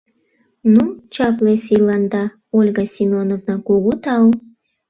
— Ну, чапле сийланда, Ольга Семеновна, кугу тау.